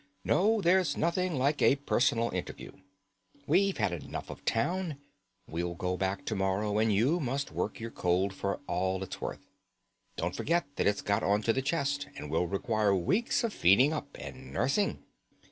"No; there's nothing like a personal interview. We've had enough of town. We'll go back to morrow, and you must work your cold for all it's worth. Don't forget that it's got on to the chest, and will require weeks of feeding up and nursing."